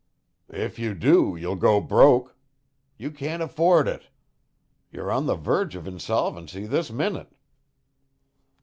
"If you do, you'll go broke. You can't afford it. You're on the verge of insolvency this minute."